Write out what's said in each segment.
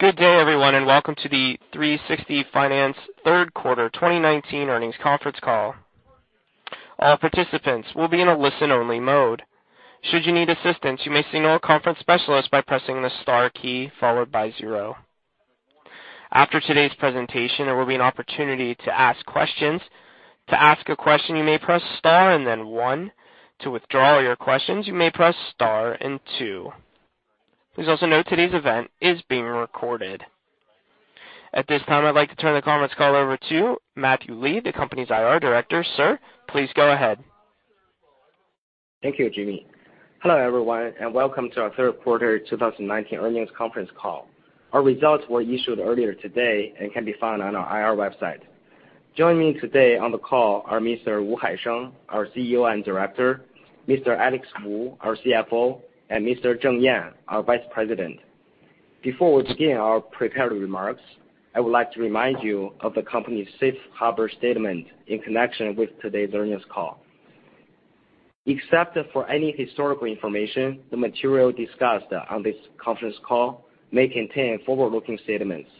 Good day, everyone, and welcome to the 360 Finance Third Quarter 2019 Earnings Conference Call. All participants will be in a listen-only mode. Should you need assistance, you may signal a conference specialist by pressing the star key followed by zero. After today's presentation, there will be an opportunity to ask questions. To ask a question, you may press star and then one. To withdraw your questions, you may Press Star and two. Please also note today's event is being recorded. At this time, I'd like to turn the conference call over to Matthew Li, the company's IR director. Sir, please go ahead. Thank you, Jimmy. Hello, everyone, and welcome to our third quarter 2019 earnings conference call. Our results were issued earlier today and can be found on our IR website. Joining me today on the call are Mr. Haisheng Wu, our CEO and director, Mr. Alex Wu, our CFO, and Mr. Yan Zheng, our Vice President. Before we begin our prepared remarks, I would like to remind you of the company's safe harbor statement in connection with today's earnings call. Except for any historical information, the material discussed on this conference call may contain forward-looking statements.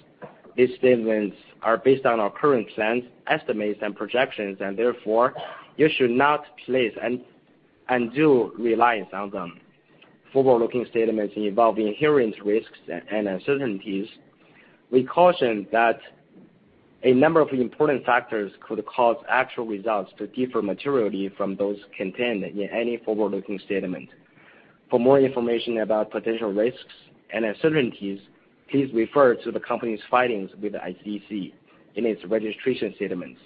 These statements are based on our current plans, estimates, and projections, and therefore, you should not place an undue reliance on them. Forward-looking statements involve inherent risks and uncertainties. We caution that a number of important factors could cause actual results to differ materially from those contained in any forward-looking statement. For more information about potential risks and uncertainties, please refer to the company's filings with the ICC in its registration statements.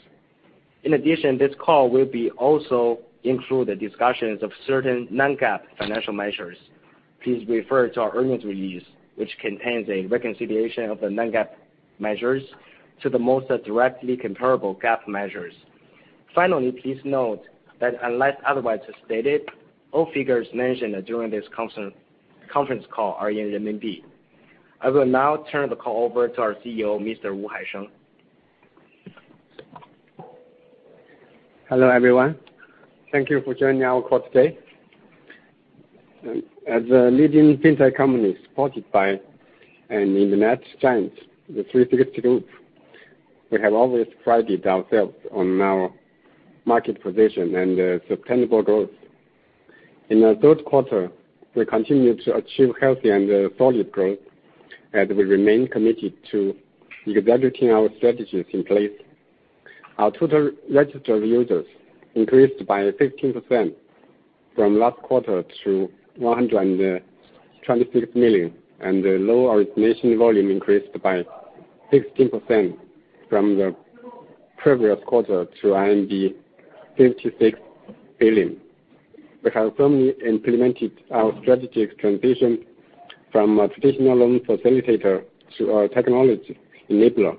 In addition, this call will be also include the discussions of certain non-GAAP financial measures. Please refer to our earnings release, which contains a reconciliation of the non-GAAP measures to the most directly comparable GAAP measures. Finally, please note that unless otherwise stated, all figures mentioned during this conference, conference call are in renminbi. I will now turn the call over to our CEO, Mr. Wu Haisheng. Hello, everyone. Thank you for joining our call today. As a leading fintech company supported by an internet giant, the 360 Group, we have always prided ourselves on our market position and sustainable growth. In the third quarter, we continued to achieve healthy and solid growth as we remain committed to executing our strategies in place. Our total registered users increased by 15% from last quarter to 126 million, and the loan origination volume increased by 16% from the previous quarter to 56 billion. We have firmly implemented our strategic transition from a traditional loan facilitator to a technology enabler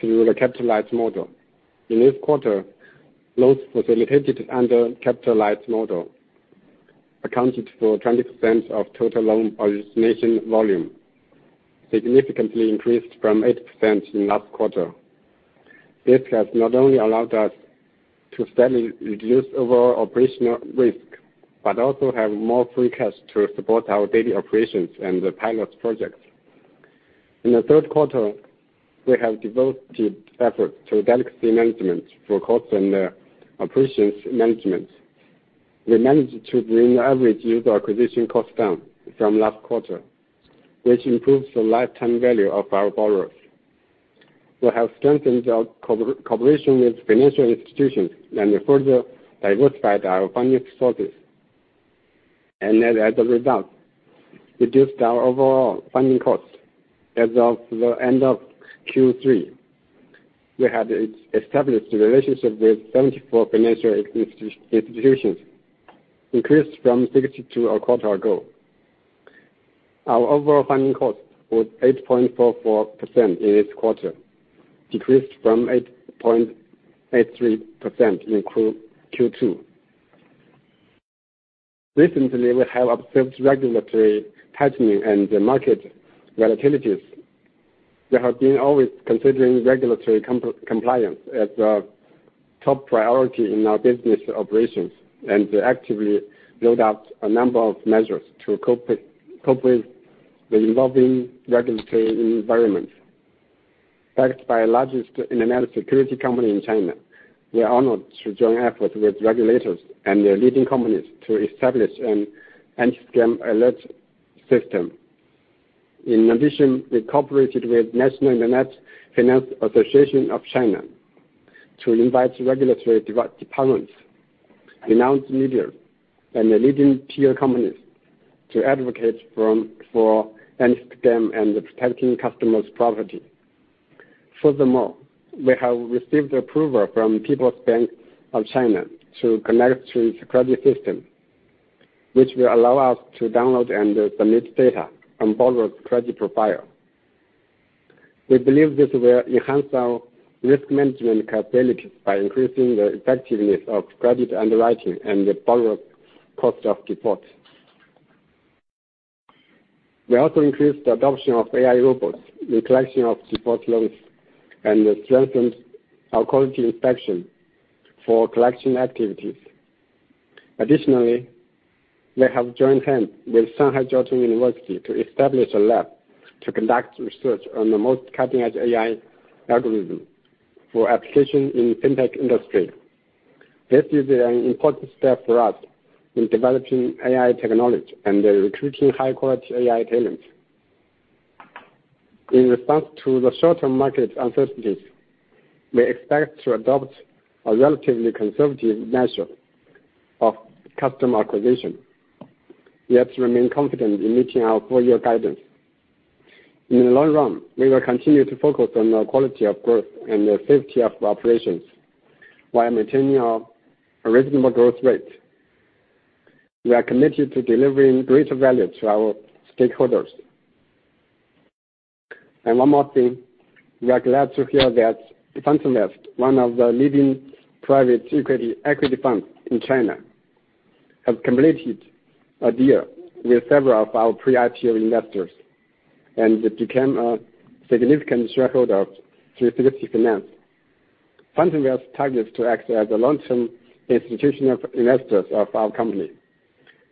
through the capital light model. In this quarter, loans facilitated under capital light model accounted for 20% of total loan origination volume, significantly increased from 8% in last quarter. This has not only allowed us to steadily reduce overall operational risk, but also have more free cash to support our daily operations and the pilot projects. In the third quarter, we have devoted effort to delicacy management for cost and operations management. We managed to bring the average user acquisition cost down from last quarter, which improves the lifetime value of our borrowers. We have strengthened our cooperation with financial institutions and further diversified our funding sources, and as a result, reduced our overall funding costs. As of the end of Q3, we had established a relationship with 74 financial institutions, increased from 62 a quarter ago. Our overall funding cost was 8.44% in this quarter, decreased from 8.83% in Q2. Recently, we have observed regulatory tightening and market volatilities. We have been always considering regulatory compliance as a top priority in our business operations and to actively build out a number of measures to cope with the evolving regulatory environment. Backed by largest internet security company in China, we are honored to join efforts with regulators and their leading companies to establish an anti-scam alert system. In addition, we cooperated with National Internet Finance Association of China to invite regulatory departments, renowned media, and the leading peer companies to advocate for anti-scam and protecting customers' property. Furthermore, we have received approval from People's Bank of China to connect to its credit system, which will allow us to download and submit data on borrowers' credit profile. We believe this will enhance our risk management capabilities by increasing the effectiveness of credit underwriting and the borrower cost of default. We also increased the adoption of AI robots in collection of default loans and strengthened our quality inspection for collection activities.... Additionally, we have joined hands with Shanghai Jiao Tong University to establish a lab to conduct research on the most cutting-edge AI algorithm for application in Fintech industry. This is an important step for us in developing AI technology and recruiting high-quality AI talent. In response to the short-term market uncertainties, we expect to adopt a relatively conservative measure of customer acquisition, yet remain confident in meeting our full year guidance. In the long run, we will continue to focus on the quality of growth and the safety of operations, while maintaining our reasonable growth rate. We are committed to delivering greater value to our stakeholders. And one more thing, we are glad to hear that FountainVest, one of the leading private equity funds in China, has completed a deal with several of our pre-IPO investors, and it became a significant shareholder through 360 Finance. FountainVest targets to act as a long-term institutional investor of our company,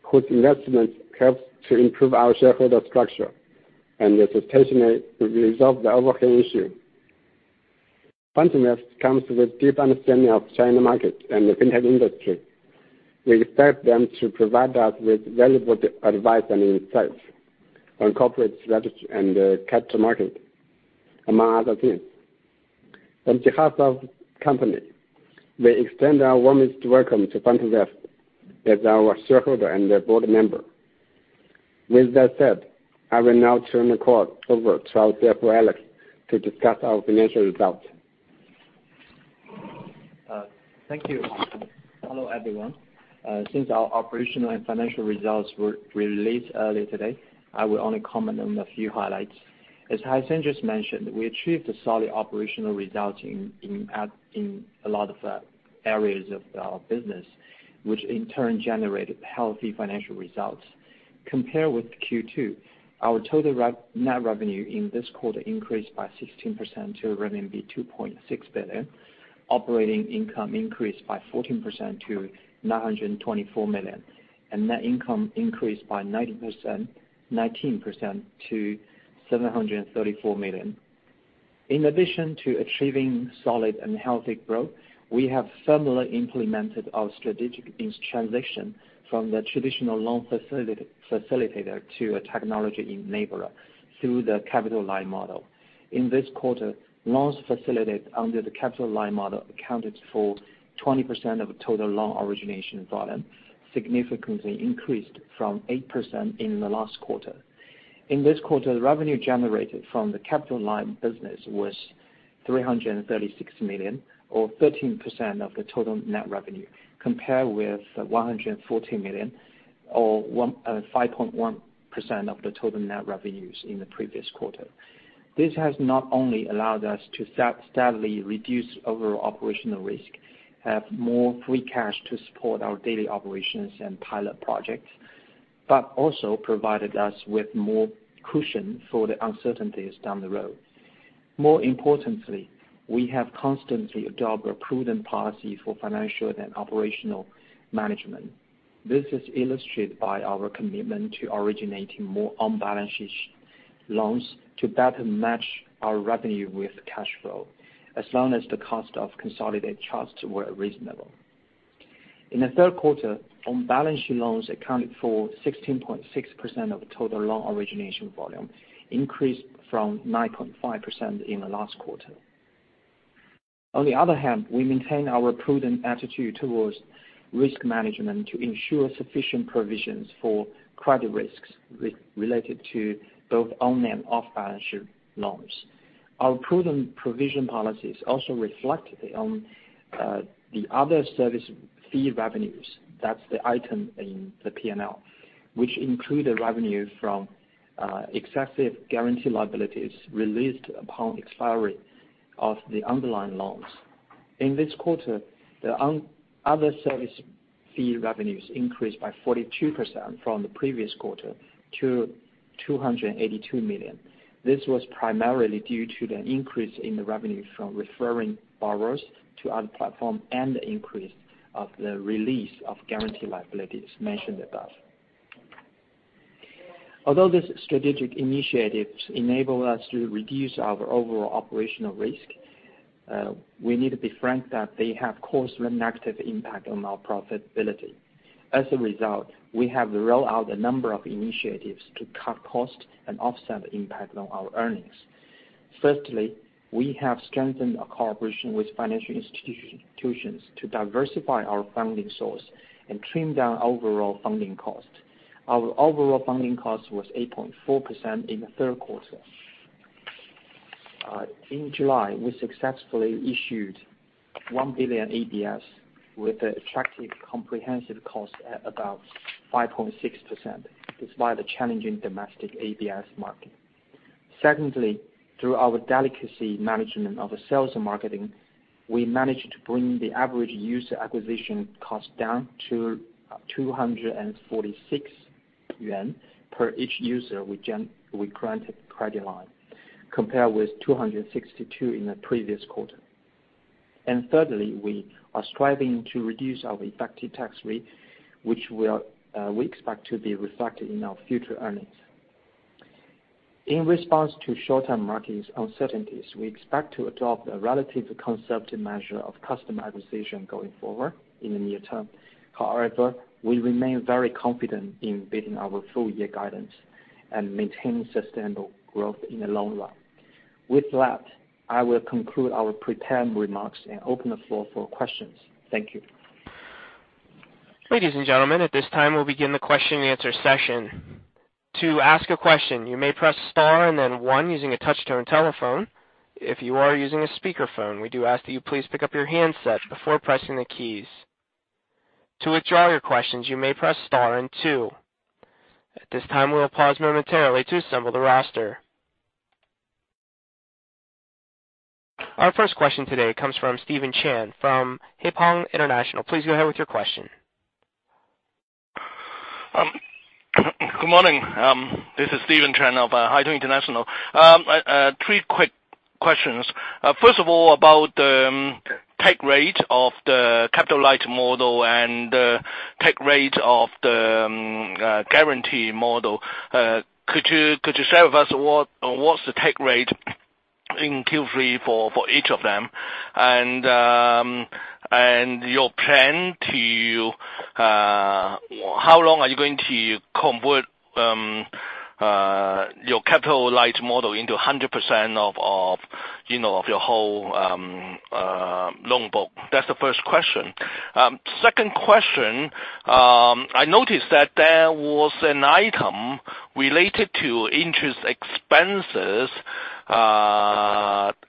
whose investment helps to improve our shareholder structure and the expectation to resolve the overhead issue. FountainVest comes with deep understanding of China market and the Fintech industry. We expect them to provide us with valuable advice and insights on corporate strategy and capital market, among other things. On behalf of the company, we extend our warmest welcome to FountainVest as our shareholder and their board member. With that said, I will now turn the call over to our CFO, Alex, to discuss our financial results. Thank you. Hello, everyone. Since our operational and financial results were released earlier today, I will only comment on a few highlights. As Haisheng just mentioned, we achieved a solid operational results in a lot of areas of our business, which in turn generated healthy financial results. Compared with Q2, our total net revenue in this quarter increased by 16% to RMB 2.6 billion. Operating income increased by 14% to 924 million, and net income increased by 19% to 734 million. In addition to achieving solid and healthy growth, we have firmly implemented our strategic transition from the traditional loan facilitator to a technology enabler through the capital light model. In this quarter, loans facilitated under the capital light model accounted for 20% of total loan origination volume, significantly increased from 8% in the last quarter. In this quarter, the revenue generated from the capital light business was 336 million, or 13% of the total net revenue, compared with 114 million, or 5.1% of the total net revenues in the previous quarter. This has not only allowed us to steadily reduce overall operational risk, have more free cash to support our daily operations and pilot projects, but also provided us with more cushion for the uncertainties down the road. More importantly, we have constantly adopt a prudent policy for financial and operational management. This is illustrated by our commitment to originating more on-balance sheet loans to better match our revenue with cash flow, as long as the cost of consolidated trusts were reasonable. In the third quarter, on-balance sheet loans accounted for 16.6% of total loan origination volume, increased from 9.5% in the last quarter. On the other hand, we maintain our prudent attitude towards risk management to ensure sufficient provisions for credit risks related to both on and off-balance sheet loans. Our prudent provision policies also reflect on, the other service fee revenues. That's the item in the P&L, which include the revenue from, excessive guarantee liabilities released upon expiry of the underlying loans. In this quarter, the other service fee revenues increased by 42% from the previous quarter to 282 million. This was primarily due to the increase in the revenue from referring borrowers to our platform and the increase of the release of guarantee liabilities mentioned above. Although these strategic initiatives enable us to reduce our overall operational risk, we need to be frank that they have caused a negative impact on our profitability. As a result, we have rolled out a number of initiatives to cut costs and offset the impact on our earnings. Firstly, we have strengthened our cooperation with financial institutions to diversify our funding source and trim down overall funding cost. Our overall funding cost was 8.4% in the third quarter. In July, we successfully issued 1 billion ABS with an attractive comprehensive cost at about 5.6%, despite the challenging domestic ABS market. Secondly, through our delicacy management of sales and marketing, we managed to bring the average user acquisition cost down to 246 yuan per each user, we granted credit line, compared with 262 in the previous quarter. Thirdly, we are striving to reduce our effective tax rate, which will, we expect to be reflected in our future earnings. In response to short-term market uncertainties, we expect to adopt a relatively conservative measure of customer acquisition going forward in the near term. However, we remain very confident in beating our full-year guidance and maintaining sustainable growth in the long run. With that, I will conclude our prepared remarks and open the floor for questions. Thank you. Ladies and gentlemen, at this time, we'll begin the question and answer session. To ask a question, you may press star and then one using a touch-tone telephone. If you are using a speakerphone, we do ask that you please pick up your handset before pressing the keys. To withdraw your questions, you may press star and two. At this time, we'll pause momentarily to assemble the roster. Our first question today comes from Steven Chan from Haitong International. Please go ahead with your question. Good morning. This is Steven Chan of Haitong International. Three quick questions. First of all, about take rate of the capital light model and the take rate of the guarantee model. Could you share with us what's the take rate in Q3 for each of them? And your plan to, how long are you going to convert your capital light model into 100% of, you know, of your whole loan book? That's the first question. Second question, I noticed that there was an item related to interest expenses,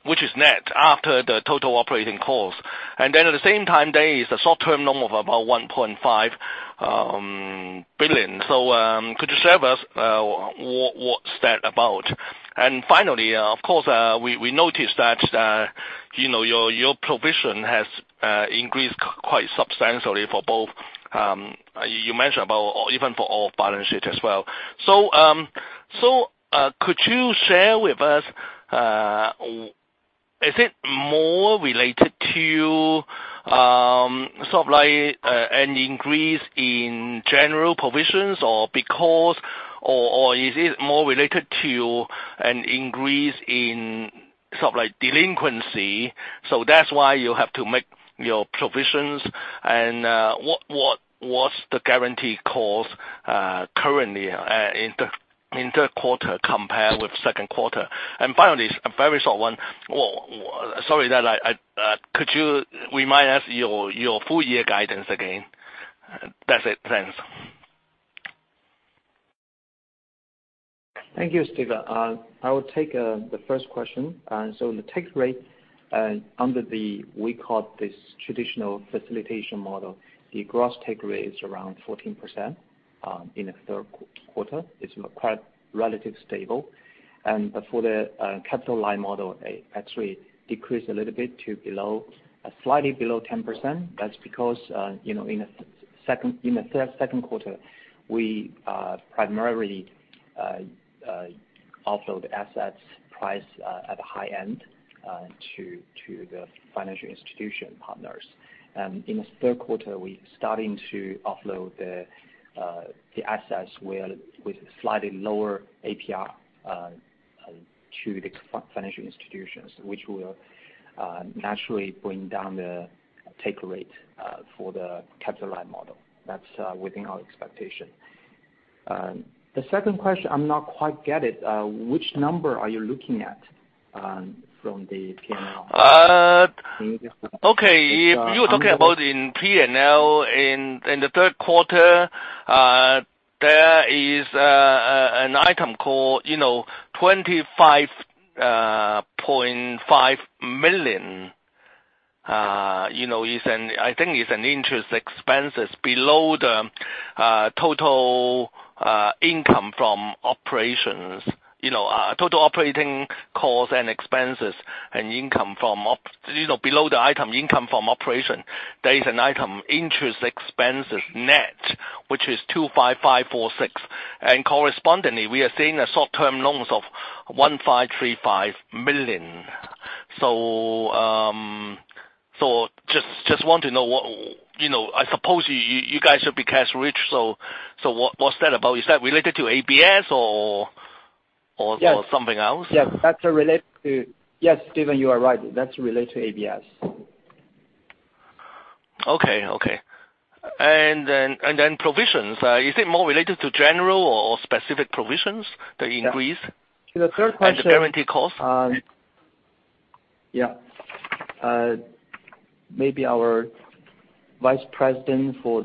which is net after the total operating cost. And then at the same time, there is a short-term loan of about 1.5 billion. So, could you share with us, what, what's that about? And finally, of course, we noticed that, you know, your provision has increased quite substantially for both... You mentioned about, even for all balance sheet as well. So, could you share with us, is it more related to, sort of like, an increase in general provisions, or because, or is it more related to an increase in, sort of like, delinquency, so that's why you have to make your provisions? And, what, what's the guarantee cost, currently, in the third quarter compared with second quarter? And finally, a very short one. Well, sorry that I, could you remind us your full year guidance again? That's it. Thanks. Thank you, Steven. I will take the first question. So the take rate under the... we call it this traditional facilitation model, the gross take rate is around 14% in the third quarter. It's quite relative stable. And for the capital light model, it actually decreased a little bit to below, slightly below 10%. That's because, you know, in the second, in the third, second quarter, we primarily offload assets priced at the high end to the financial institution partners. In the third quarter, we're starting to offload the assets with slightly lower APR to the financial institutions, which will naturally bring down the take rate for the capital light model. That's within our expectation. The second question, I'm not quite get it. Which number are you looking at, from the P&L? Okay. You were talking about in P&L in the third quarter, there is an item called, you know, 25.5 million. You know, it's an-- I think it's an interest expenses below the total income from operations. You know, total operating costs and expenses and income from op- you know, below the item income from operation, there is an item, interest expenses net, which is 25,546. And correspondingly, we are seeing the short-term loans of 1,535 million. So, just want to know what, you know, I suppose you guys should be cash rich, so what's that about? Is that related to ABS or, or- Yes. - Something else? Yes, that's related to... Yes, Steven, you are right. That's related to ABS. Okay, okay. And then provisions, is it more related to general or specific provisions, the increase? The third question- The guaranteed costs. Yeah. Maybe our vice president for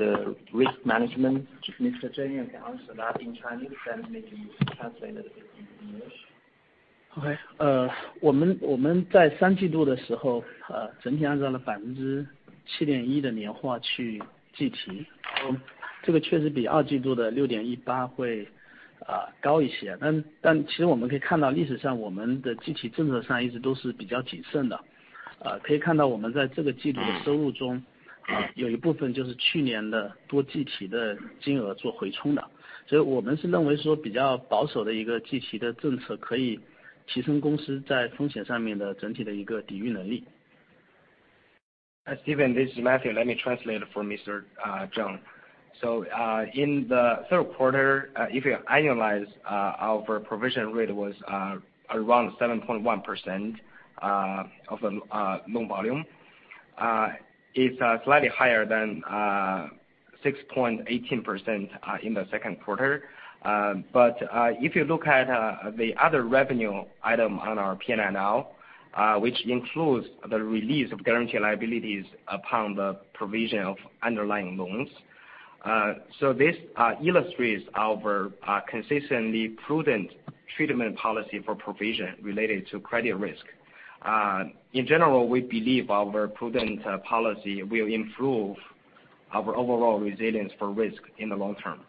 the risk management, Mr. Chen, can answer that in Chinese, and maybe translate it in English. Okay.... higher. But actually we can see historically, our regulatory policies have always been quite conservative. You can see that in this quarter's revenue, part of it is from recovering amounts from previous years' provisions. So we believe that a more conservative regulatory policy can enhance the company's overall ability to mitigate risks. Stephen, this is Matthew. Let me translate for Mr. Zheng. So, in the third quarter, if you annualize, our provision rate was around 7.1% of the loan volume. It's slightly higher than 6.18% in the second quarter. But if you look at the other revenue item on our PNL, which includes the release of guarantee liabilities upon the provision of underlying loans. So this illustrates our consistently prudent treatment policy for provision related to credit risk. In general, we believe our prudent policy will improve our overall resilience for risk in the long term.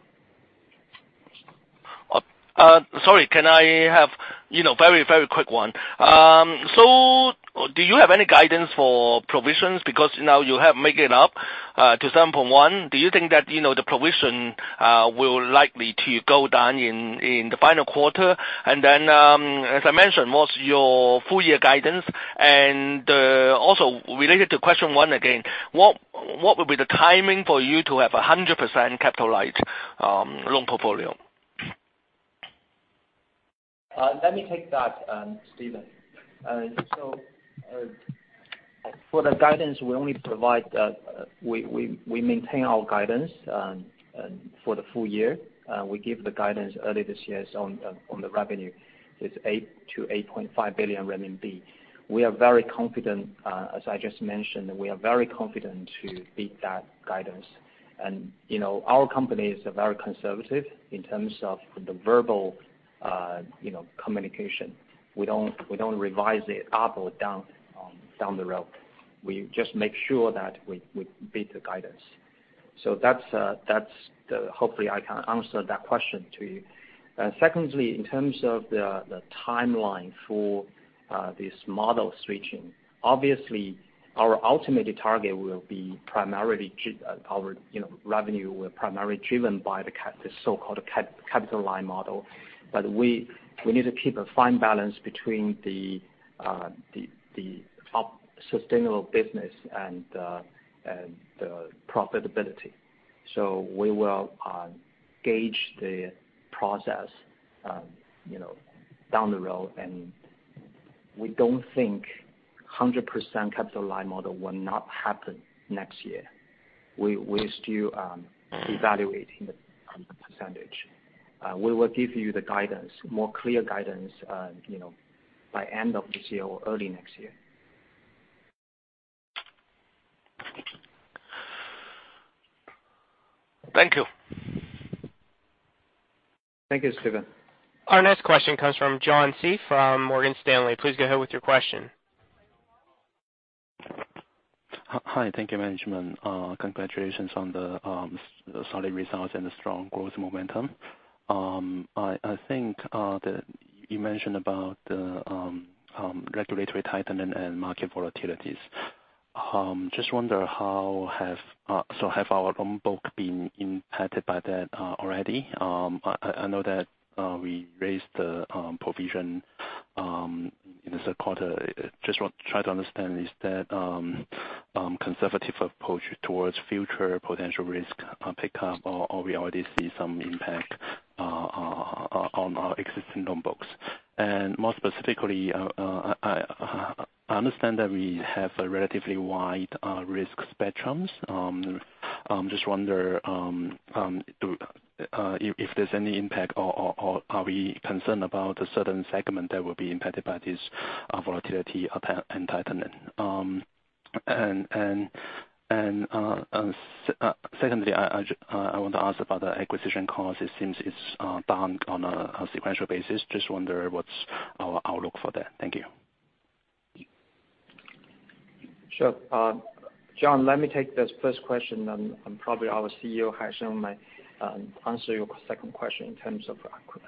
Sorry, can I have, you know, very, very quick one? So do you have any guidance for provisions? Because now you have make it up to 7.1. Do you think that, you know, the provision will likely to go down in the final quarter? And then, as I mentioned, what's your full year guidance? And also related to question one again, what would be the timing for you to have a 100% capital light loan portfolio? Let me take that, Steven. So, for the guidance, we only provide, we maintain our guidance for the full year. We give the guidance early this year on the revenue. It's 8 billion-8.5 billion renminbi. We are very confident, as I just mentioned, we are very confident to beat that guidance. And, you know, our company is very conservative in terms of the verbal, you know, communication. We don't revise it up or down, down the road. We just make sure that we beat the guidance. So that's, that's the... Hopefully, I can answer that question to you. Secondly, in terms of the timeline for this model switching, obviously, our ultimate target will be primarily, you know, revenue were primarily driven by the so-called capital light model. But we need to keep a fine balance between the sustainable business and the profitability. So we will gauge the progress, you know, down the road, and we don't think 100% capital light model will not happen next year. We're still evaluating the percentage. We will give you the guidance, more clear guidance, you know, by end of this year or early next year. Thank you. Thank you, Steven. Our next question comes from John Cai from Morgan Stanley. Please go ahead with your question. Hi, thank you, management. Congratulations on the solid results and the strong growth momentum. I think you mentioned about the regulatory tightening and market volatilities. Just wonder how has our loan book been impacted by that already? I know that we raised the provision in the third quarter. Just want to try to understand, is that conservative approach towards future potential risk pickup, or we already see some impact on our existing loan books? And more specifically, I understand that we have a relatively wide risk spectrums. Just wonder, if there's any impact or are we concerned about a certain segment that will be impacted by this volatility and tightening? Secondly, I want to ask about the acquisition cost. It seems it's down on a sequential basis. Just wonder what's our outlook for that. Thank you. Sure. John, let me take this first question, and probably our CEO, Haisheng, might answer your second question in terms of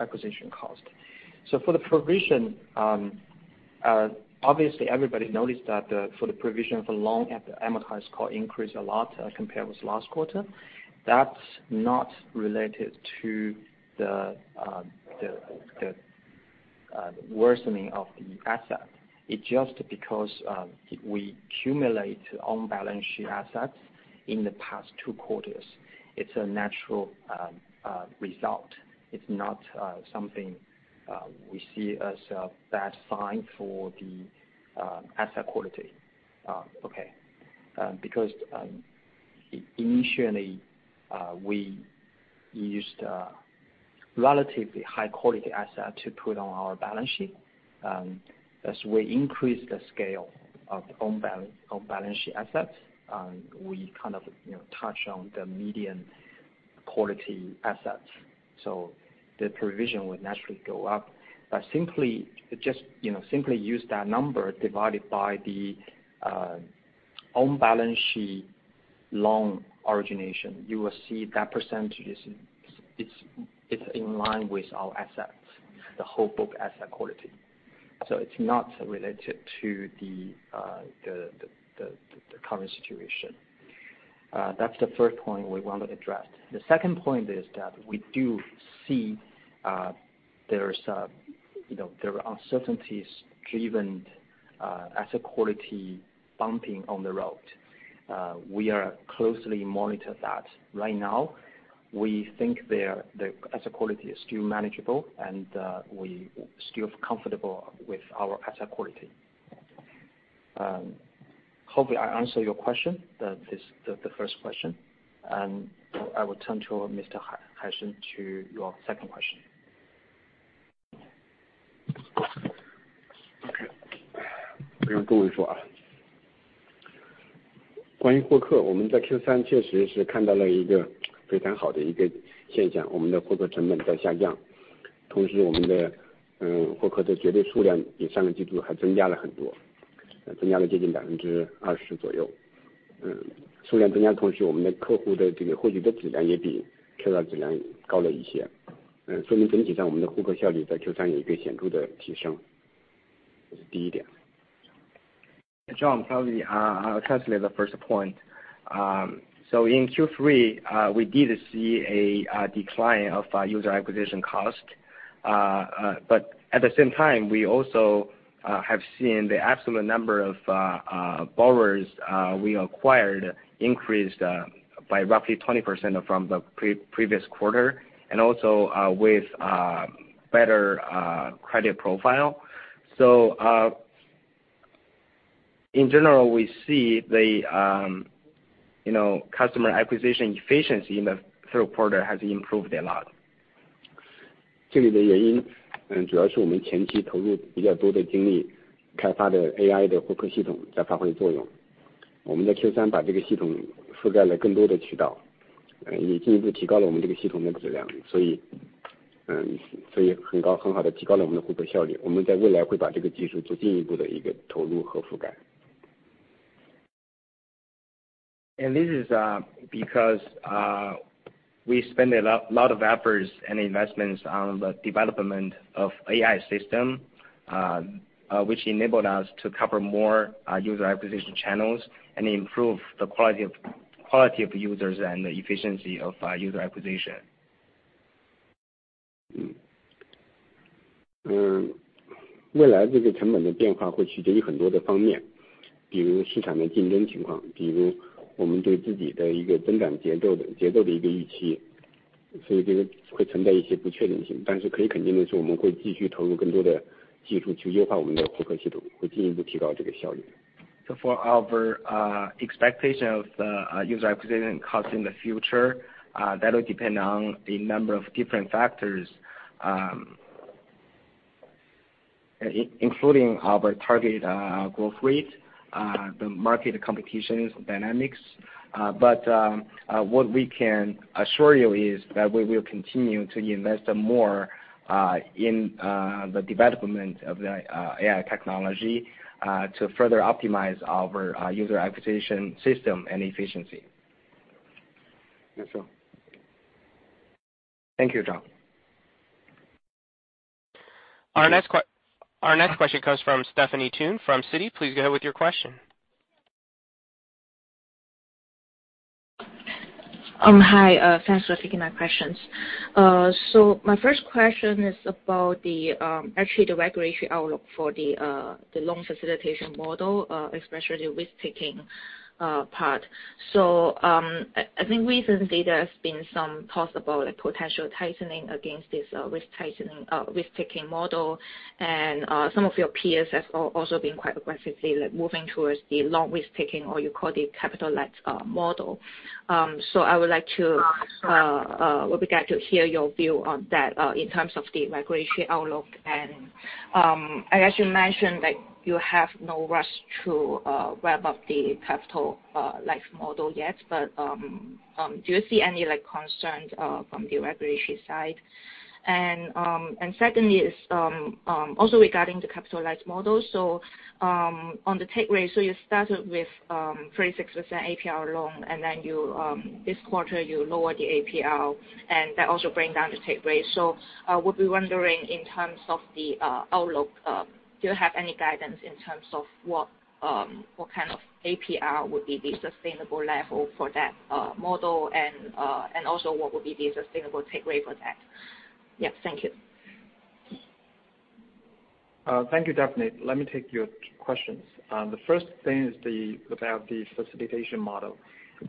acquisition cost. So for the provision, obviously, everybody noticed that for the provision for loan at the amortized cost increased a lot, compared with last quarter. That's not related to the worsening of the asset. It's just because we accumulate on-balance sheet assets in the past two quarters. It's a natural result. It's not something we see as a bad sign for the asset quality. Okay. Because initially we used a relatively high-quality asset to put on our balance sheet. As we increase the scale of on-balance sheet assets, we kind of, you know, touch on the medium-quality assets, so the provision would naturally go up. But simply, just, you know, simply use that number divided by the on-balance sheet loan origination, you will see that percentage is, it's in line with our assets, the whole book asset quality. So it's not related to the current situation. That's the first point we wanted to address. The second point is that we do see, there's a, you know, there are uncertainties driven, asset quality bumping on the road. We are closely monitor that. Right now, we think the asset quality is still manageable, and we still comfortable with our asset quality. Hopefully I answer your question, the first question, and I will turn to Mr. Haisheng, to your second question. Okay. John, probably, I'll translate the first point. So in Q3, we did see a decline of user acquisition cost. But at the same time, we also have seen the absolute number of borrowers we acquired increased by roughly 20% from the previous quarter, and also with better credit profile. So in general, we see the, you know, customer acquisition efficiency in the third quarter has improved a lot. This is because we spend a lot of efforts and investments on the development of AI system, which enabled us to cover more user acquisition channels and improve the quality of users and the efficiency of user acquisition. So for our expectation of user acquisition cost in the future, that will depend on a number of different factors, including our target growth rate, the market competition dynamics. But what we can assure you is that we will continue to invest more in the development of the AI technology to further optimize our user acquisition system and efficiency. Yes, so. Thank you, John. Our next question comes from Stephanie Tan from Citi. Please go ahead with your question. Hi, thanks for taking my questions. So my first question is about actually the regulatory outlook for the loan facilitation model, especially the risk-taking part. So, I think recently there has been some possible potential tightening against this risk-taking model. And, some of your peers have also been quite aggressively, like, moving towards the loan risk-taking, or you call it capital-light model. So I would be glad to hear your view on that, in terms of the regulatory outlook. And, I guess you mentioned that you have no rush to ramp up the capital-light model yet, but do you see any, like, concerns from the regulatory side? And secondly is also regarding the capital light model. On the take rate, you started with 36% APR loan, and then this quarter, you lowered the APR, and that also bring down the take rate. In terms of the outlook, do you have any guidance in terms of what kind of APR would be the sustainable level for that model? And also what would be the sustainable take rate for that? Yes. Thank you. Thank you, Stephanie. Let me take your questions. The first thing is the, about the facilitation model.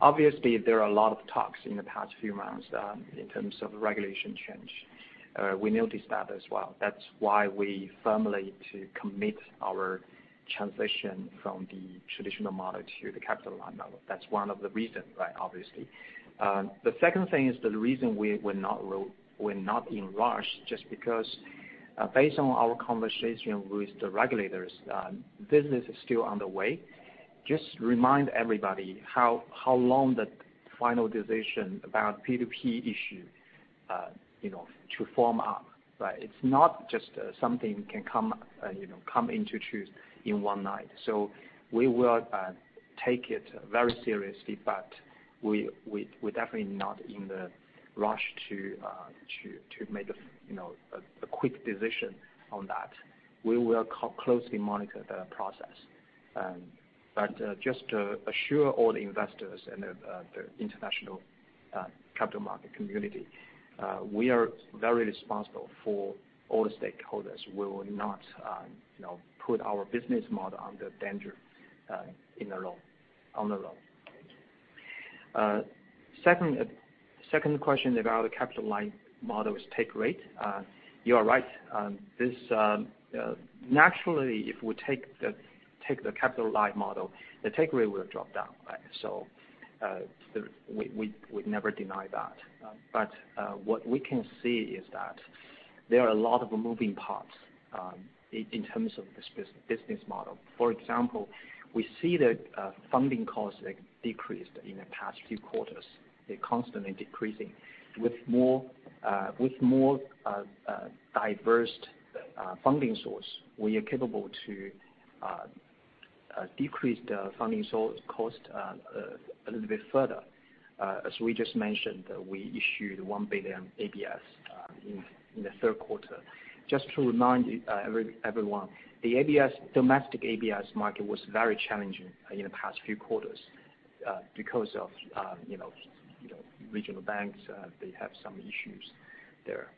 Obviously, there are a lot of talks in the past few months in terms of regulation change. We noticed that as well. That's why we firmly to commit our transition from the traditional model to the capital light model. That's one of the reasons, right, obviously. The second thing is the reason we're not in rush, just because, based on our conversation with the regulators, business is still on the way. Just remind everybody how long the final decision about P2P issue, you know, to form up, right? It's not just, something can come, you know, come into truth in one night. So we will take it very seriously, but we're definitely not in the rush to make a, you know, a quick decision on that. We will closely monitor the process. But just to assure all the investors and the international capital market community, we are very responsible for all the stakeholders. We will not, you know, put our business model under danger in the long, on the long. Second question about the capital light model is take rate. You are right. This naturally, if we take the capital light model, the take rate will drop down, right? So we would never deny that. But what we can see is that there are a lot of moving parts in terms of this business model. For example, we see that funding costs decreased in the past few quarters. They're constantly decreasing. With more diversified funding source, we are capable to decrease the funding source cost a little bit further. As we just mentioned, we issued 1 billion ABS in the third quarter. Just to remind everyone, the domestic ABS market was very challenging in the past few quarters because of you know, regional banks, they have some issues there.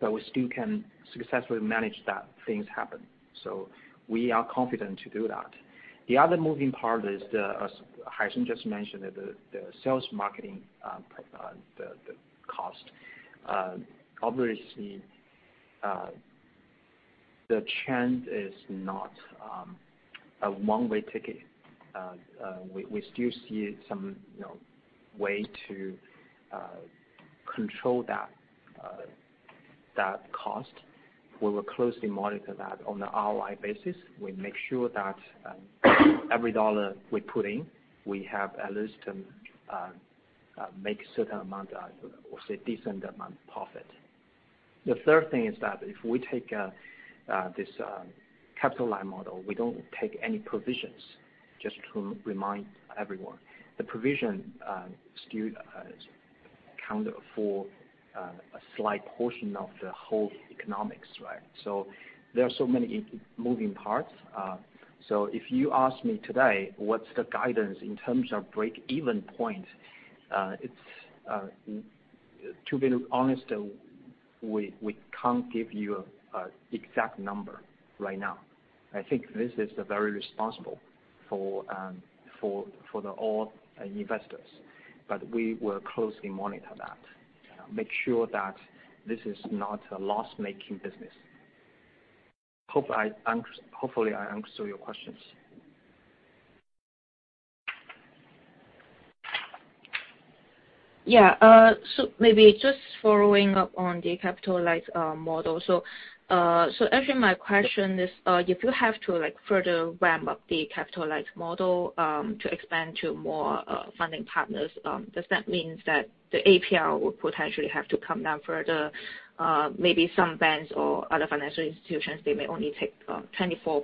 But we still can successfully manage that things happen, so we are confident to do that. The other moving part is the, as Haisheng just mentioned, the sales marketing cost. Obviously, the trend is not a one-way ticket. We still see some, you know, way to control that cost. We will closely monitor that on an hourly basis. We make sure that every dollar we put in, we have at least make certain amount, or say, decent amount of profit. The third thing is that if we take this capital light model, we don't take any provisions, just to remind everyone. The provision still count for a slight portion of the whole economics, right? So there are so many moving parts. So if you ask me today, what's the guidance in terms of break-even point, it's, to be honest, we can't give you a exact number right now. I think this is very responsible for all the investors, but we will closely monitor that, make sure that this is not a loss-making business. Hopefully, I answered your questions. Yeah, so maybe just following up on the capital light model. So, so actually my question is, if you have to, like, further ramp up the capital light model, to expand to more funding partners, does that means that the APR will potentially have to come down further? Maybe some banks or other financial institutions, they may only take 24%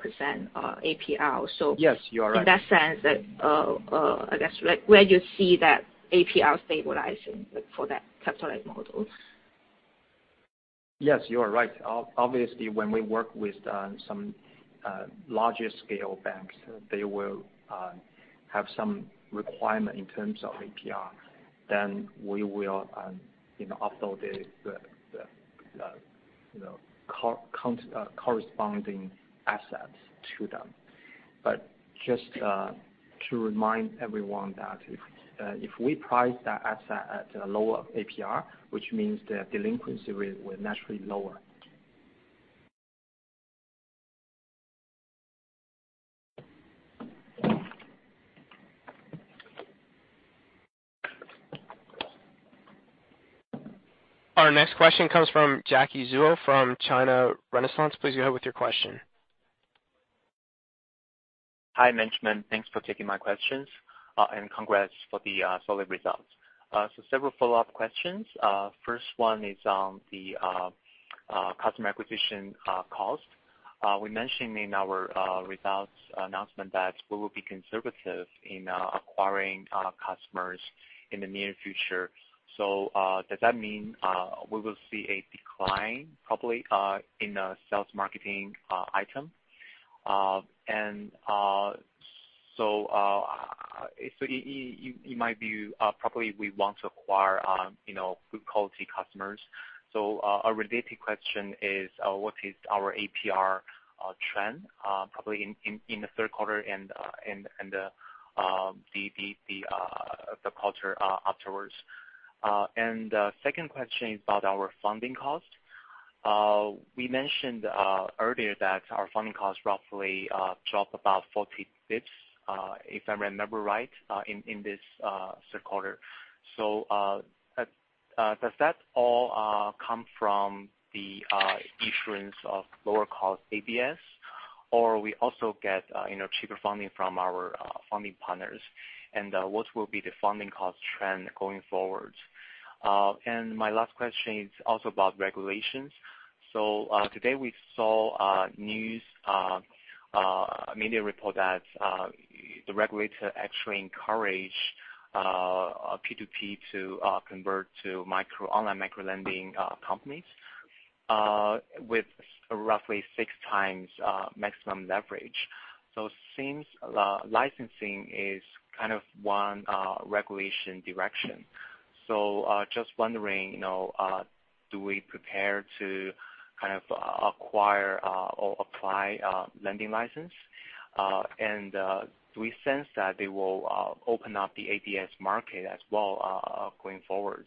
APR. So- Yes, you are right. In that sense, that, I guess, like, where you see that APR stabilizing, like, for that capital light model? Yes, you are right. Obviously, when we work with some larger scale banks, they will have some requirement in terms of APR, then we will, you know, upload the corresponding assets to them. But just to remind everyone that if we price that asset at a lower APR, which means the delinquency rate will naturally lower. Our next question comes from Jacky Zuo from China Renaissance. Please go ahead with your question. Hi, Benjamin. Thanks for taking my questions, and congrats for the solid results. So several follow-up questions. First one is on the customer acquisition cost. We mentioned in our results announcement that we will be conservative in acquiring our customers in the near future. So, does that mean we will see a decline, probably, in the sales marketing item? And so in my view, probably we want to acquire, you know, good quality customers. So, a related question is, what is our APR trend, probably in the third quarter and the fourth quarter afterwards? And second question is about our funding cost. We mentioned earlier that our funding cost roughly dropped about 40 basis points, if I remember right, in this third quarter. So, does that all come from the issuance of lower cost ABS?... or we also get, you know, cheaper funding from our funding partners, and what will be the funding cost trend going forward? And my last question is also about regulations. So, today we saw news, a media report that the regulator actually encourage P2P to convert to online micro-lending companies with roughly 6 times maximum leverage. So it seems licensing is kind of one regulation direction. So, just wondering, you know, do we prepare to kind of acquire or apply lending license? Do we sense that they will open up the ABS market as well, going forward?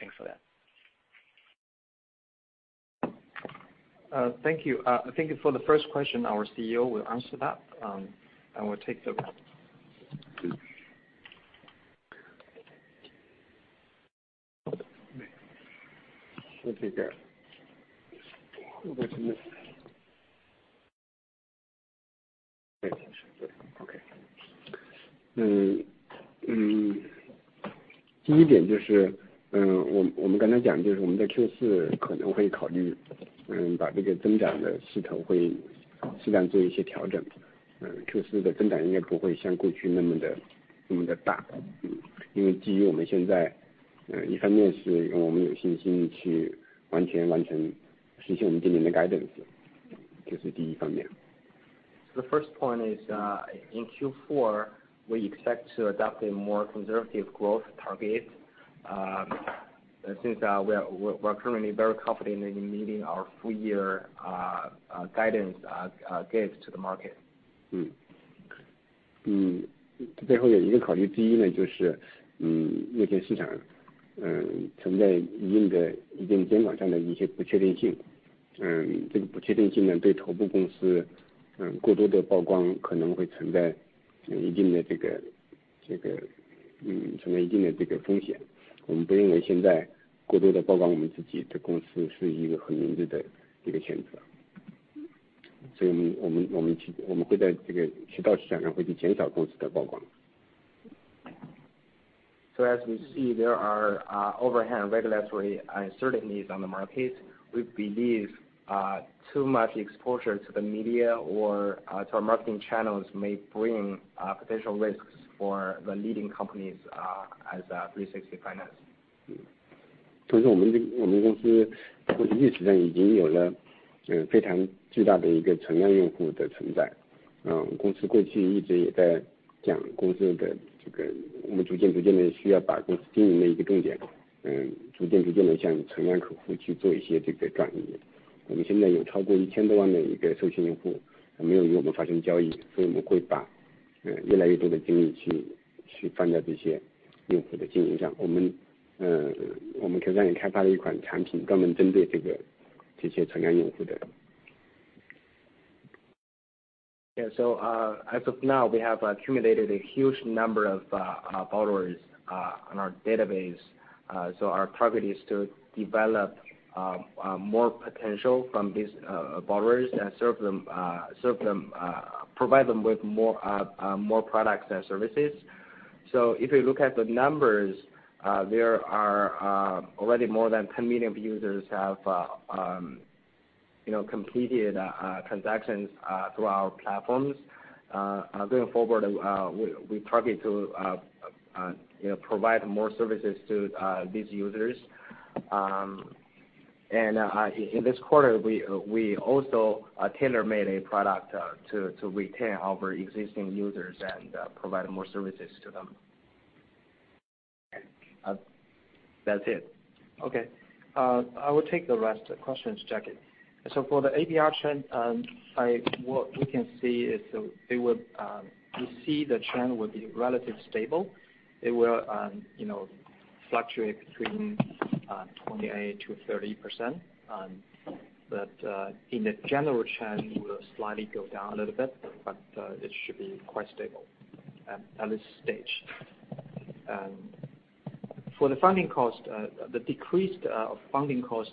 Thanks for that. Thank you. I think for the first question, our CEO will answer that, and will take the The first point is, in Q4, we expect to adopt a more conservative growth target, since we're currently very confident in meeting our full year guidance gave to the market. Yeah, so, as of now, we have accumulated a huge number of borrowers on our database. So our target is to develop more potential from these borrowers and serve them, provide them with more products and services. So if you look at the numbers, there are already more than 10 million users have you know completed transactions through our platforms. Going forward, we target to you know provide more services to these users. And in this quarter, we also tailor-made a product to retain our existing users and provide more services to them. That's it. Okay. I will take the rest questions, Jackie. So for the APR trend, what we can see is, it would, we see the trend would be relatively stable. It will, you know, fluctuate between, 28%-30%. But, in the general trend, it will slightly go down a little bit, but, it should be quite stable at, at this stage. For the funding cost, the decreased, funding cost,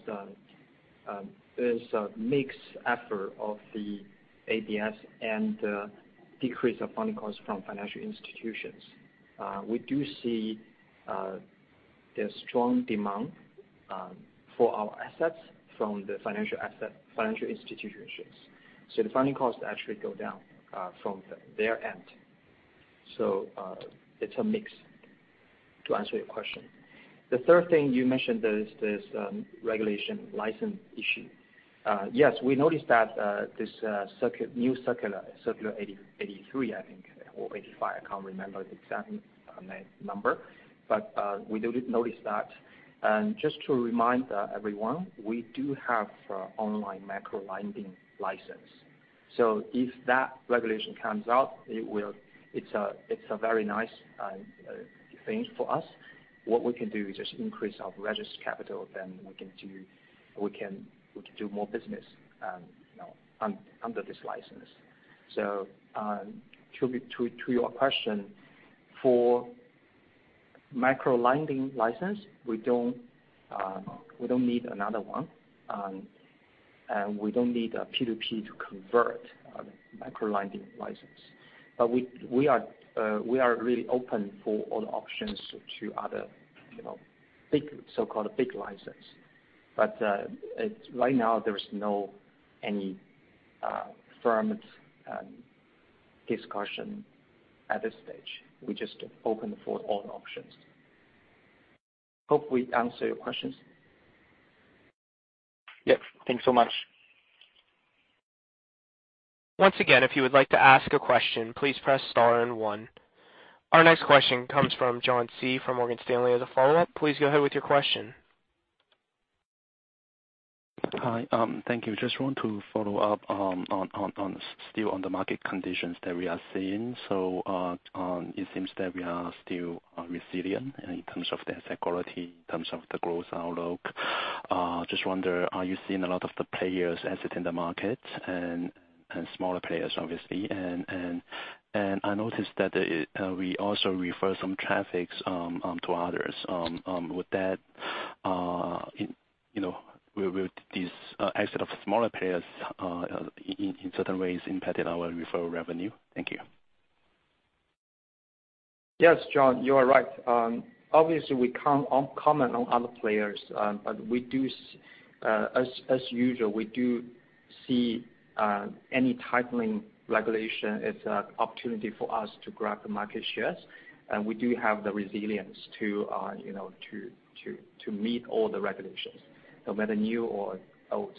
is a mixed effort of the ABS and, decrease of funding costs from financial institutions. We do see, there's strong demand, for our assets from the financial asset- financial institutions. So the funding costs actually go down, from their end. So, it's a mix, to answer your question. The third thing you mentioned is this, regulation license issue. Yes, we noticed that, this new circular, Circular 83, I think, or 85, I can't remember the exact number, but we do notice that. And just to remind everyone, we do have online micro-lending license. So if that regulation comes out, it will... It's a very nice thing for us. What we can do is just increase our registered capital, then we can do more business, you know, under this license. So, to your question, for micro-lending license, we don't need another one. And we don't need a P2P to convert micro-lending license. But we are really open for all the options to other, you know, big, so-called big license. But right now, there is no any firm discussion at this stage. We're just open for all options. Hope we answer your questions. Yes, thanks so much. Once again, if you would like to ask a question, please press star and one. Our next question comes from John Cia. from Morgan Stanley as a follow-up. Please go ahead with your question. Hi, thank you. Just want to follow up on the market conditions that we are seeing. So, it seems that we are still resilient in terms of the asset quality, in terms of the growth outlook. Just wonder, are you seeing a lot of the players exit in the market and smaller players, obviously? And I noticed that we also refer some traffic to others. With that, you know, will this exit of smaller players in certain ways impacted our referral revenue? Thank you. Yes, John, you are right. Obviously, we can't comment on other players, but we do, as usual, see any tightening regulation as an opportunity for us to grab the market shares, and we do have the resilience to, you know, meet all the regulations, no matter new or old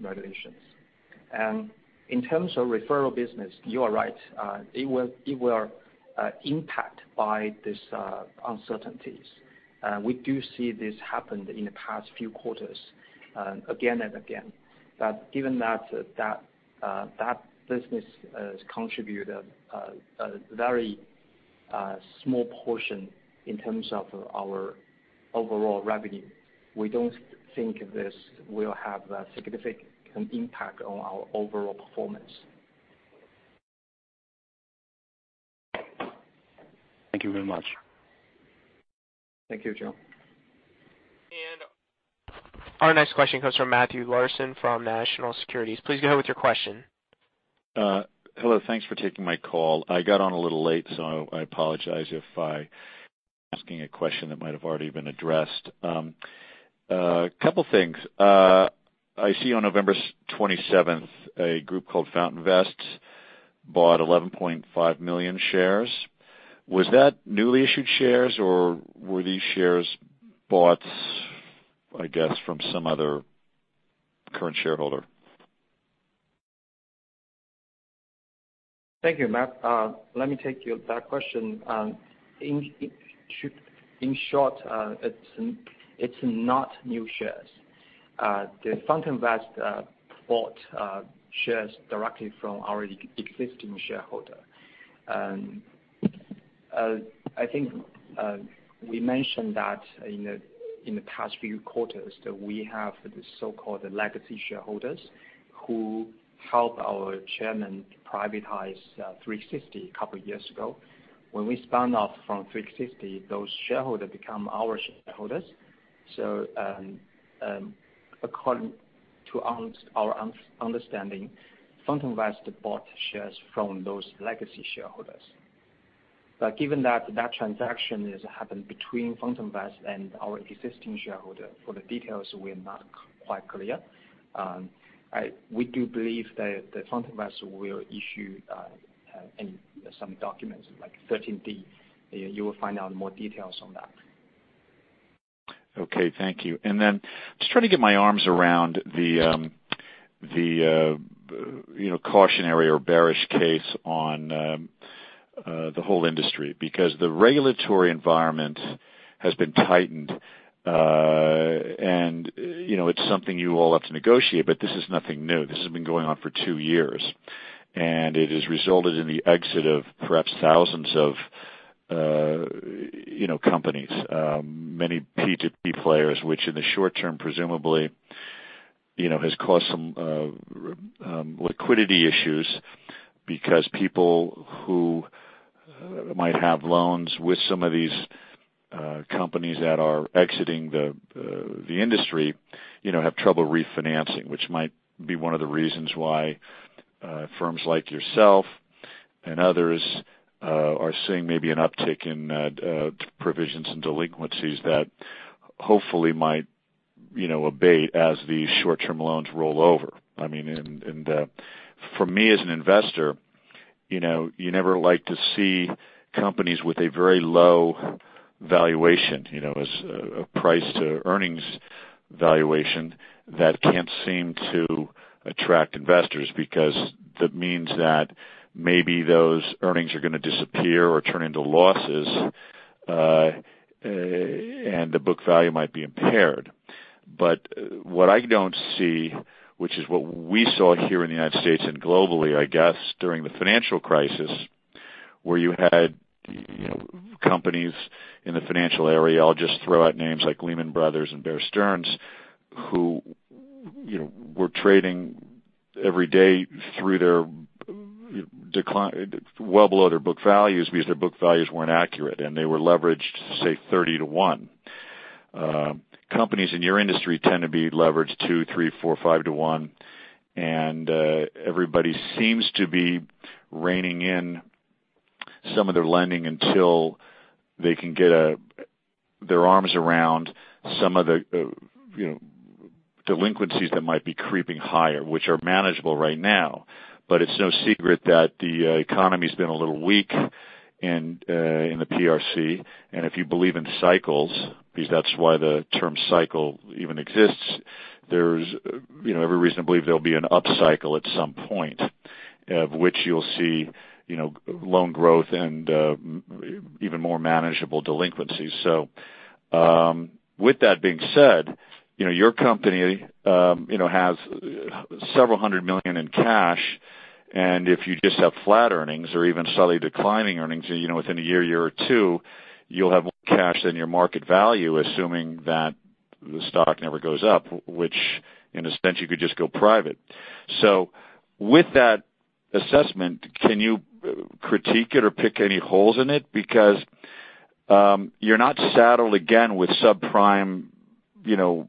regulations. In terms of referral business, you are right. It will impact by these uncertainties. We do see this happen in the past few quarters, again and again. But given that that business has contributed a very small portion in terms of our overall revenue, we don't think this will have a significant impact on our overall performance. Thank you very much. Thank you, John. Our next question comes from Matthew Larson from National Securities. Please go ahead with your question. Hello, thanks for taking my call. I got on a little late, so I apologize if I asking a question that might have already been addressed. A couple things. I see on November twenty-seventh, a group called FountainVest bought 11.5 million shares. Was that newly issued shares, or were these shares bought, I guess, from some other current shareholder? Thank you, Matt. Let me take your question. In short, it's not new shares. The FountainVest bought shares directly from our existing shareholder. I think we mentioned that in the past few quarters that we have the so-called legacy shareholders who helped our chairman privatize 360 a couple years ago. When we spun off from 360, those shareholders become our shareholders. So, according to our understanding, FountainVest bought shares from those legacy shareholders. But given that that transaction has happened between FountainVest and our existing shareholder, for the details, we are not quite clear. We do believe that FountainVest will issue in some documents, like 13D, you will find out more details on that. Okay, thank you. And then just trying to get my arms around the, you know, cautionary or bearish case on, the whole industry. Because the regulatory environment has been tightened, and, you know, it's something you all have to negotiate, but this is nothing new. This has been going on for two years, and it has resulted in the exit of perhaps thousands of, you know, companies, many P2P players, which in the short term, presumably, you know, has caused some, liquidity issues. Because people who might have loans with some of these companies that are exiting the industry, you know, have trouble refinancing, which might be one of the reasons why firms like yourself and others are seeing maybe an uptick in provisions and delinquencies that hopefully might, you know, abate as the short-term loans roll over. I mean, for me as an investor, you know, you never like to see companies with a very low valuation, you know, as a price to earnings valuation that can't seem to attract investors, because that means that maybe those earnings are gonna disappear or turn into losses, and the book value might be impaired. But what I don't see, which is what we saw here in the United States and globally, I guess, during the financial crisis, where you had, you know, companies in the financial area, I'll just throw out names like Lehman Brothers and Bear Stearns, who, you know, were trading every day through their decline, well below their book values, because their book values weren't accurate, and they were leveraged, say, 3-1. Companies in your industry tend to be leveraged 2, 3, 4, 5 to 1, and, everybody seems to be reining in some of their lending until they can get, their arms around some of the, you know, delinquencies that might be creeping higher, which are manageable right now. But it's no secret that the, economy's been a little weak in, in the PRC. If you believe in cycles, because that's why the term cycle even exists, there's, you know, every reason to believe there'll be an upcycle at some point, of which you'll see, you know, loan growth and even more manageable delinquencies. So, with that being said, you know, your company, you know, has RMB several hundred million in cash, and if you just have flat earnings or even slightly declining earnings, you know, within a year, year or two, you'll have more cash than your market value, assuming that the stock never goes up, which in a sense, you could just go private. So with that assessment, can you critique it or pick any holes in it? Because you're not saddled again with subprime, you know,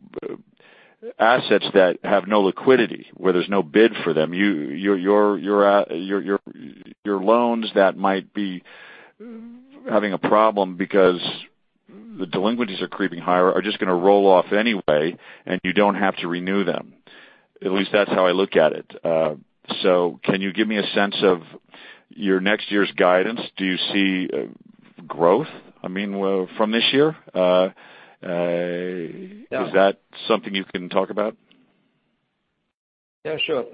assets that have no liquidity, where there's no bid for them. Your loans that might be having a problem because the delinquencies are creeping higher are just gonna roll off anyway, and you don't have to renew them. At least that's how I look at it. So can you give me a sense of your next year's guidance? Do you see growth, I mean, well, from this year? Yeah. Is that something you can talk about? Yeah, sure.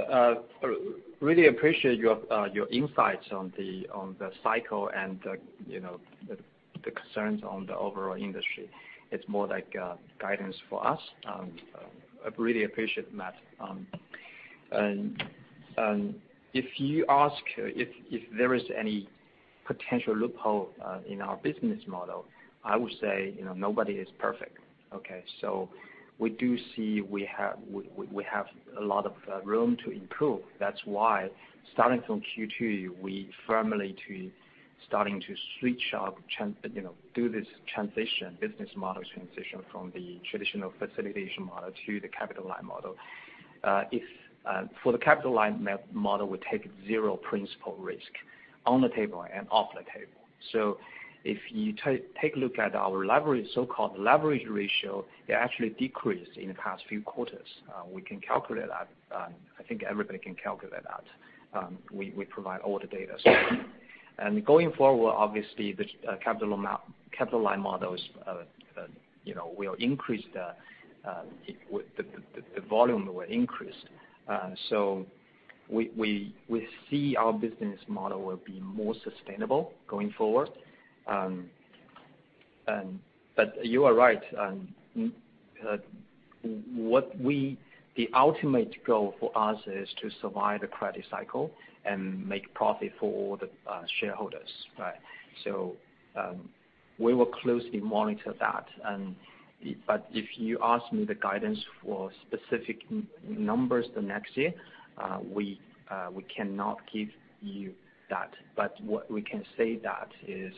Really appreciate your insights on the cycle and the, you know, the concerns on the overall industry. It's more like guidance for us. I really appreciate it, Matt. And if you ask if there is any potential loophole in our business model, I would say, you know, nobody is perfect, okay? So we do see we have a lot of room to improve. That's why, starting from Q2, we firmly to starting to switch up, trans- you know, do this transition, business model transition from the traditional facilitation model to the capital light model. If for the capital light model, we take zero principal risk on the table and off the table. So if you take a look at our leverage, so-called leverage ratio, it actually decreased in the past few quarters. We can calculate that. I think everybody can calculate that. We provide all the data. So going forward, obviously, the capital light models, you know, will increase the volume. So we see our business model will be more sustainable going forward. But you are right. The ultimate goal for us is to survive the credit cycle and make profit for all the shareholders, right? So we will closely monitor that. But if you ask me the guidance for specific numbers the next year, we cannot give you that. But what we can say that is,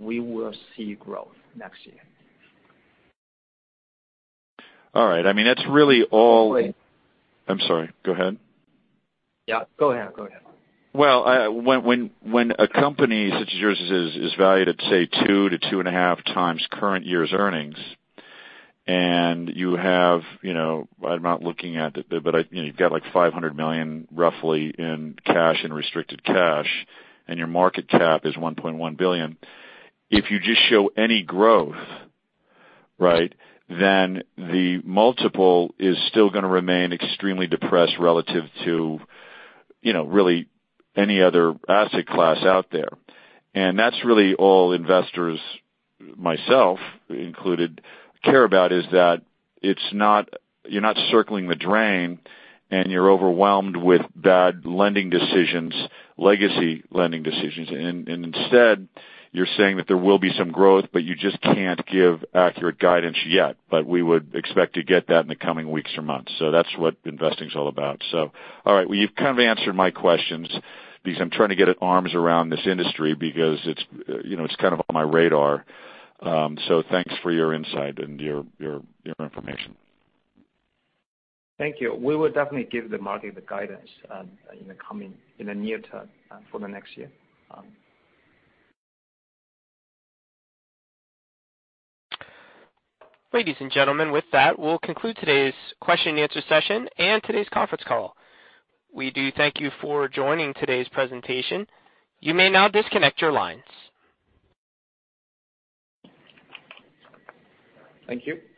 we will see growth next year. All right. I mean, that's really all- Wait. I'm sorry. Go ahead. Yeah, go ahead. Go ahead. Well, when a company such as yours is valued at, say, 2-2.5 times current year's earnings, and you have, you know, I'm not looking at it, but I, you know, you've got like $500 million roughly in cash and restricted cash, and your market cap is $1.1 billion. If you just show any growth, right, then the multiple is still gonna remain extremely depressed relative to, you know, really any other asset class out there. And that's really all investors, myself included, care about, is that it's not, you're not circling the drain, and you're overwhelmed with bad lending decisions, legacy lending decisions. And instead, you're saying that there will be some growth, but you just can't give accurate guidance yet. But we would expect to get that in the coming weeks or months. That's what investing is all about. All right, well, you've kind of answered my questions, because I'm trying to get our arms around this industry because it's, you know, it's kind of on my radar. Thanks for your insight and your information. Thank you. We will definitely give the market the guidance in the near term for the next year. Ladies and gentlemen, with that, we'll conclude today's question and answer session and today's conference call. We do thank you for joining today's presentation. You may now disconnect your lines. Thank you.